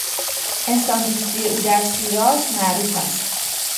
انسان دوستی او در شیراز معروف است.